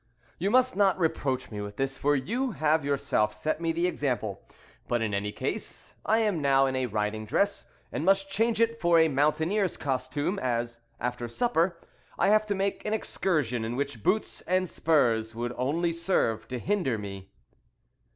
"You must not reproach me with this, for you have yourself set me the example; but, in any case, I am now in a riding dress, and must change it for a mountaineer's costume, as, after supper, I have to make an excursion in which boots and spurs would only serve to hinder me."